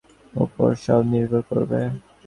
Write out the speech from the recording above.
তারপর কিন্তু তোর নিজের উদ্যমের উপর সব নির্ভর করবে।